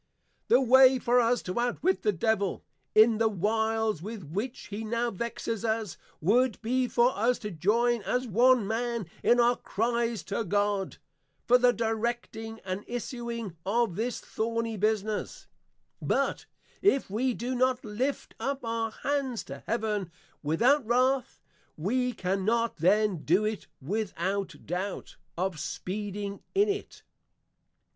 The way for us to out wit the Devil, in the Wiles with which he now Vexes us, would be for us to joyn as one man in our cries to God, for the Directing, and Issuing of this Thorny Business; but if we do not Lift up our Hands to Heaven, without Wrath, we cannot then do it without Doubt, of speeding in it.